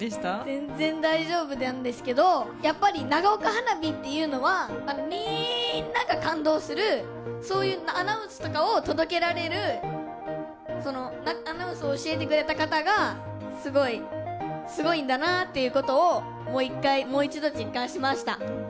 全然大丈夫なんですけどやっぱり長岡花火っていうのはみんなが感動するそういうアナウンスとかを届けられるアナウンスを教えてくれた方がすごいんだなということをもう一度実感しました。